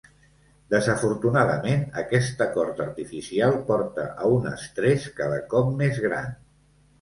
Desafortunadament, aquest acord artificial porta a un estrès cada cop més gran.